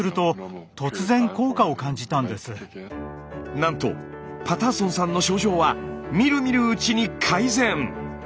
なんとパターソンさんの症状はみるみるうちに改善。